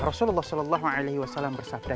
rasulullah saw bersabda